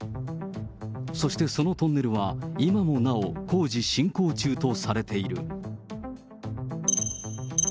そしてそのトンネルは、今もなお、工事進行中とされている。